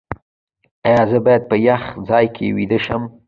ایا زه باید په یخ ځای کې ویده شم؟